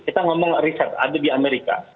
kita ngomong riset ada di amerika